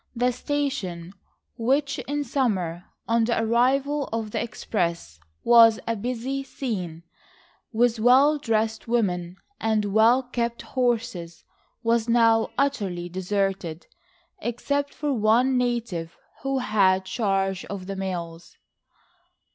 The station, which in summer on the arrival of the express was a busy scene with well dressed women and well kept horses, was now utterly deserted except for one native who had charge of the mails.